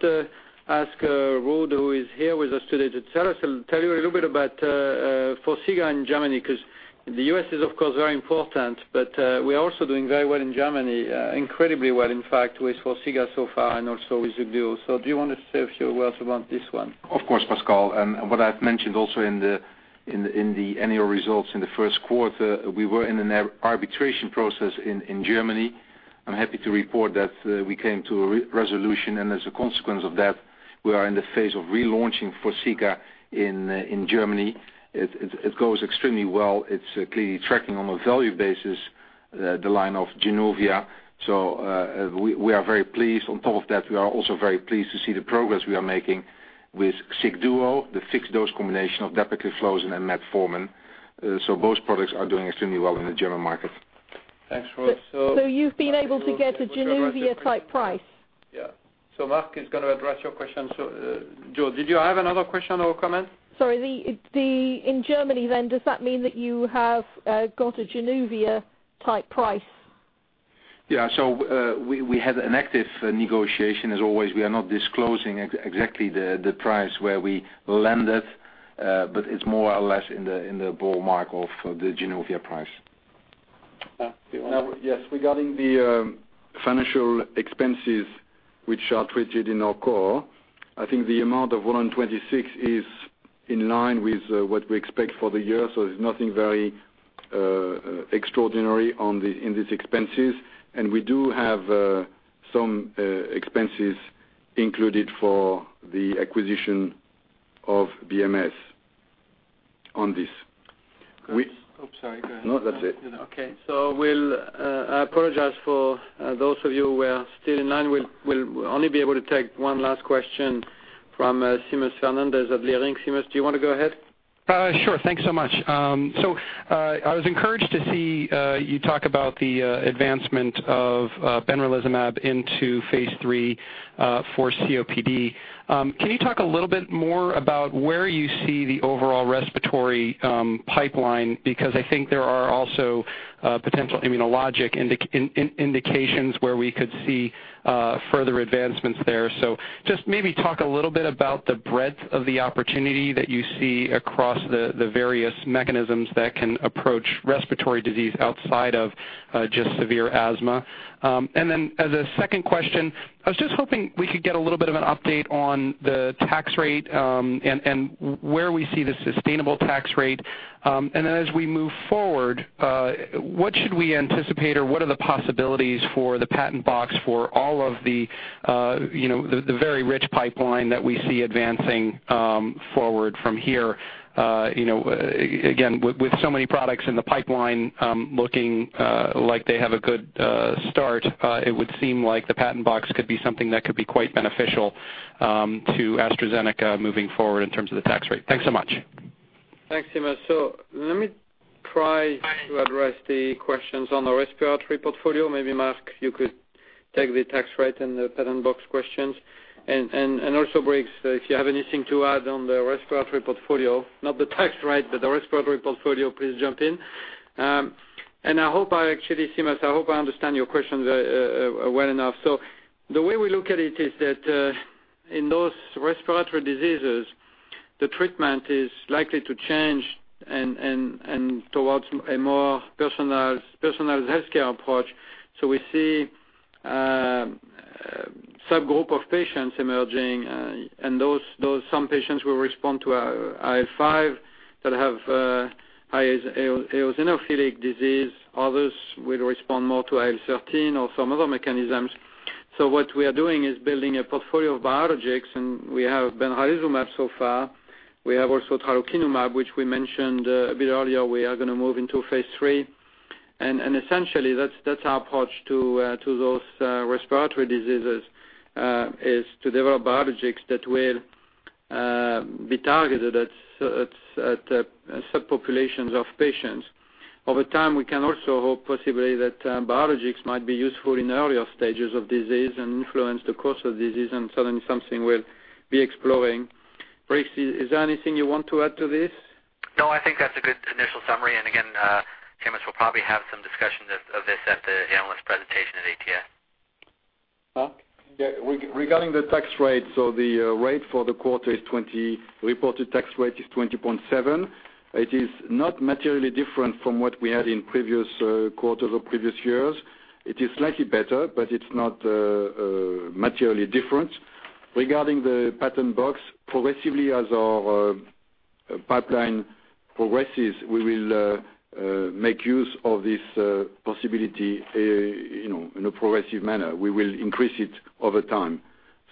ask Ruud, who is here with us today, to tell you a little bit about Forxiga in Germany, because the U.S. is, of course, very important, but we are also doing very well in Germany, incredibly well, in fact, with Forxiga so far and also with Xigduo. Do you want to say a few words about this one?
Of course, Pascal. What I've mentioned also in the annual results in the first quarter, we were in an arbitration process in Germany. I'm happy to report that we came to a resolution, and as a consequence of that, we are in the phase of relaunching Forxiga in Germany. It goes extremely well. It's clearly tracking on a value basis, the line of JANUVIA. We are very pleased. On top of that, we are also very pleased to see the progress we are making with Xigduo, the fixed dose combination of dapagliflozin and metformin. Both products are doing extremely well in the German market.
Thanks, Ruud.
You've been able to get a JANUVIA-type price?
Yeah. Marc is going to address your question. Jo, did you have another question or comment?
Sorry. In Germany, does that mean that you have got a JANUVIA-type price?
Yeah. We had an active negotiation. As always, we are not disclosing exactly the price where we landed, but it's more or less in the ballpark of the JANUVIA price.
Marc, do you want to-
Yes. Regarding the financial expenses which are treated in our core, I think the amount of $126 is in line with what we expect for the year. There's nothing very extraordinary in these expenses. We do have some expenses included for the acquisition of BMS on this.
Oops, sorry, go ahead.
No, that's it.
Okay. I apologize for those of you who are still in line. We'll only be able to take one last question from Seamus Fernandez of BMO. Seamus, do you want to go ahead?
Sure. Thanks so much. I was encouraged to see you talk about the advancement of benralizumab into phase III for COPD. Can you talk a little bit more about where you see the overall respiratory pipeline? I think there are also potential immunologic indications where we could see further advancements there. Just maybe talk a little bit about the breadth of the opportunity that you see across the various mechanisms that can approach respiratory disease outside of just severe asthma. As a second question, I was just hoping we could get a little bit of an update on the tax rate and where we see the sustainable tax rate. As we move forward, what should we anticipate, or what are the possibilities for the Patent Box for all of the very rich pipeline that we see advancing forward from here? Again, with so many products in the pipeline looking like they have a good start, it would seem like the Patent Box could be something that could be quite beneficial to AstraZeneca moving forward in terms of the tax rate. Thanks so much.
Thanks, Seamus. Let me try to address the questions on the respiratory portfolio. Maybe Marc, you could take the tax rate and the Patent Box questions. Also, Briggs, if you have anything to add on the respiratory portfolio, not the tax rate, but the respiratory portfolio, please jump in. I hope I actually, Seamus, I hope I understand your question well enough. The way we look at it is that in those respiratory diseases the treatment is likely to change and towards a more personalized healthcare approach. We see a subgroup of patients emerging, and those some patients will respond to IL-5 that have highest eosinophilic disease, others will respond more to IL-13 or some other mechanisms. What we are doing is building a portfolio of biologics, and we have benralizumab so far. We have also tralokinumab, which we mentioned a bit earlier, we are going to move into phase III. Essentially that's our approach to those respiratory diseases, is to develop biologics that will be targeted at subpopulations of patients. Over time, we can also hope possibly that biologics might be useful in earlier stages of disease and influence the course of disease, and certainly something we'll be exploring. Briggs, is there anything you want to add to this?
No, I think that's a good initial summary, and again, James will probably have some discussions of this at the analyst presentation at ATS.
Marc?
Regarding the tax rate, the reported tax rate is 20.7. It is not materially different from what we had in previous quarters or previous years. It is slightly better, but it's not materially different. Regarding the Patent Box, progressively as our pipeline progresses, we will make use of this possibility in a progressive manner. We will increase it over time.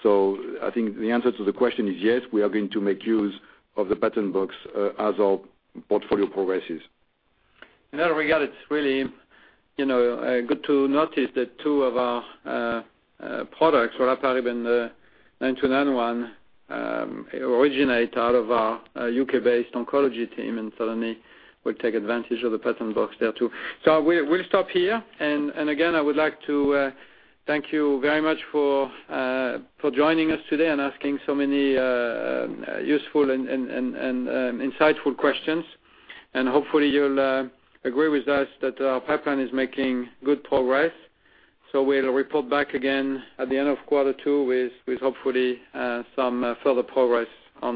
I think the answer to the question is, yes, we are going to make use of the Patent Box as our portfolio progresses.
In that regard, it's really good to notice that two of our products, olaparib and the AZD9291, originate out of our U.K.-based oncology team and suddenly will take advantage of the Patent Box there, too. We'll stop here. Again, I would like to thank you very much for joining us today and asking so many useful and insightful questions. Hopefully you'll agree with us that our pipeline is making good progress. We'll report back again at the end of quarter two with hopefully some further progress.